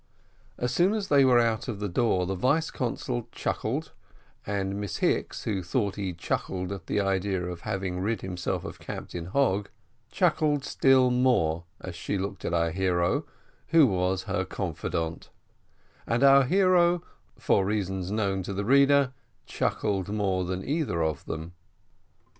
As soon as they were out of the door the vice consul chuckled, and Miss Hicks, who thought he chuckled at the idea of having rid himself of Captain Hogg, chuckled still more as she looked at our hero, who was her confidant, and our hero, for reasons known to the reader, chuckled more than either of them.